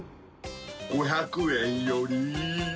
「５００円より」